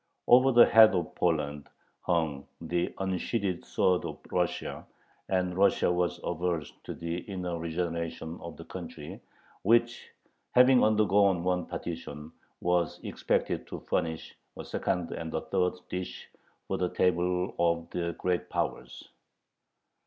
Over the head of Poland hung the unsheathed sword of Russia, and Russia was averse to the inner regeneration of the country, which, having undergone one partition, was expected to furnish a second and a third dish for the table of the Great Powers.